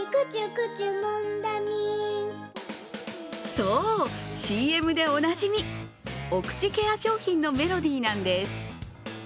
そう、ＣＭでおなじみお口ケア商品のメロディーなんです。